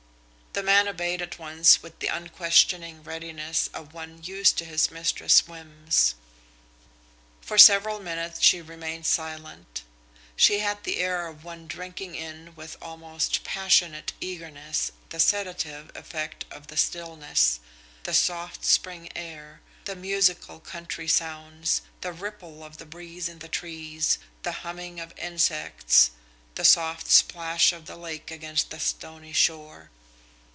The man obeyed at once with the unquestioning readiness of one used to his mistress' whims. For several minutes she remained silent. She had the air of one drinking in with almost passionate eagerness the sedative effect of the stillness, the soft spring air, the musical country sounds, the ripple of the breeze in the trees, the humming of insects, the soft splash of the lake against the stony shore.